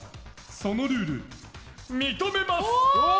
そのルール、認めます！